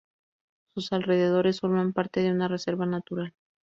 Sus alrededores forman parte de una reserva natural.